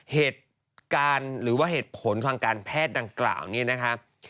เหตุการณ์หรือว่าเหตุผลทางการแพทย์ดังกล่าวเนี่ยนะครับ